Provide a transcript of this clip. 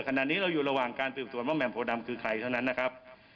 ขณะนี้เราอยู่ระหว่างการสืบสวนว่าแหม่โพดำคือใครเท่านั้นนะครับ